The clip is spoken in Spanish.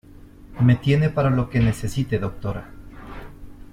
me tiene para lo que necesite, doctora.